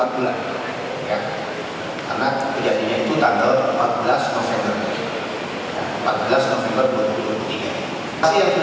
karena kejadiannya itu tanggal empat belas november